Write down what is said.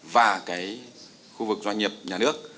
và cái khu vực doanh nghiệp nhà nước